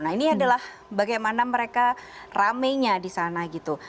nah ini adalah bagaimana mereka ramenya di sana gitu